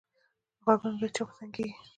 غوږونه له چغو تنګېږي